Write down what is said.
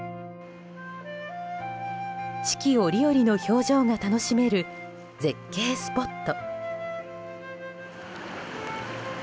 四季折々の表情が楽しめる絶景スポット。